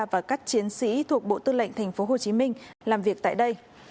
và các chiến sĩ thuộc bộ tư lệnh tp hcm làm việc tại đây